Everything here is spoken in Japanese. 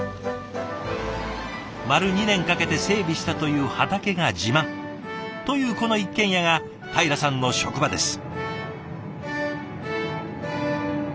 丸２年かけて整備したという畑が自慢！というこの一軒家がたいらさんの職場です。